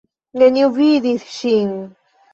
Neniu vidis ŝin.